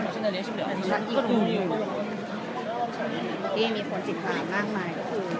นักเสกอีกรูปที่มีคนติดตามมากมาย